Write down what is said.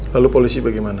lalu polisi bagaimana